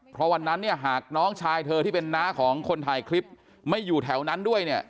เพราะวันนั้นเนี่ยหากน้องชายเธอที่เป็นน้าของคนถ่ายคลิปไม่อยู่แถวนั้นด้วยเนี่ย